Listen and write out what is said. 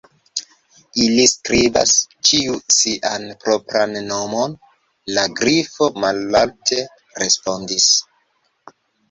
"Ili skribas ĉiu sian propran nomon," la Grifo mallaŭte respondis.